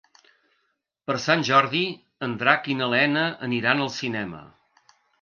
Per Sant Jordi en Drac i na Lena aniran al cinema.